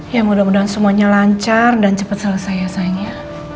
ya mudah mudahan semuanya lancar dan cepat selesai rasanya